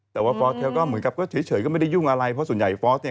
แต่ว่าฟอร์สเขาก็เหมือนกับก็เฉยก็ไม่ได้ยุ่งอะไรเพราะส่วนใหญ่ฟอร์สเนี่ย